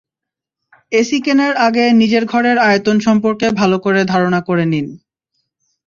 AC কেনার আগে নিজের ঘরের আয়তন সম্পর্কে ভালো করে ধারণা করে নিন।